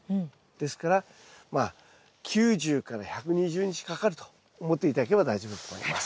ですからまあ９０１２０日かかると思って頂ければ大丈夫だと思います。